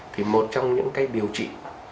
thì một trong những cái điều trị